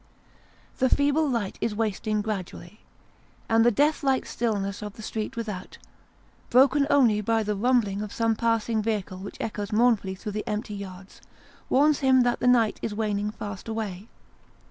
The feeble light is wasting gradually, and the deathlike stillness of the street without, broken only by the rumbling of some passing vehicle which echoes mournfully through the empty yards, warns him that the night is waning fast away.